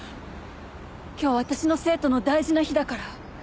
今日私の生徒の大事な日だから。